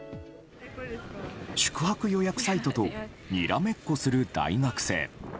宿泊予約サイトとにらめっこする大学生。